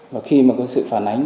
và khi có sự phản ánh